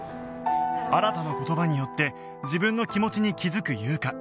新の言葉によって自分の気持ちに気づく優香